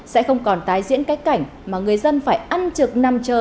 sẽ không còn tái diễn cách cảnh mà người dân phải ăn trực nằm chờ